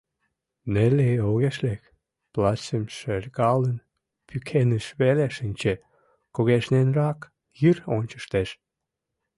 Нелли огеш лек, плащым шергалын, пӱкеныш веле шинче, кугешненрак йыр ончыштеш.